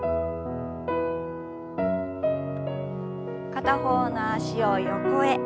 片方の脚を横へ。